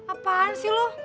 apaan sih lu